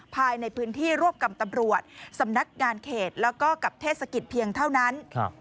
ภายในพื้นที่รวบกับตำรวจสำนักงานเขตแล้วก็กับเทศกิจเพียงเท่านั้น